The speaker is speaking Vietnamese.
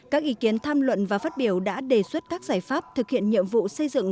các ý kiến tham luận và phát biểu đã đề xuất các giải pháp thực hiện nhiệm vụ xây dựng